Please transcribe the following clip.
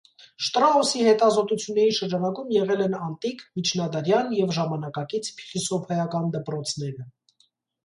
Շտրաուսի հետազոտությունների շրջանակում եղել են անտիկ, միջնադարյան և ժամանակակից փիլիսոփայական դպրոցները։